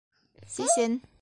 Сисен!